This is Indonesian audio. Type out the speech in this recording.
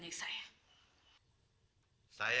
dia menanyai saya